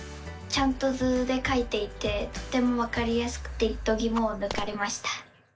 ちゃんと図でかいていてとてもわかりやすくてどぎもをぬかれました！